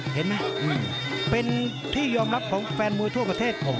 เห็นไหมเป็นที่ยอมรับของแฟนมวยทั่วประเทศผม